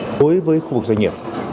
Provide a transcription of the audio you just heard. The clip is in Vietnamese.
đối với khu vực doanh nghiệp